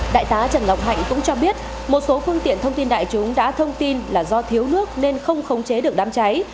đại tá trần ngọc hạnh cũng cho biết một số phương tiện thông tin đại chúng đã thông tin là do thiếu nước nên không khống chế được đám cháy